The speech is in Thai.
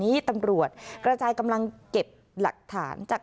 หน้าผู้ใหญ่ในจังหวัดคาดว่าไม่คนใดคนหนึ่งนี่แหละนะคะที่เป็นคู่อริเคยทำรักกายกันมาก่อน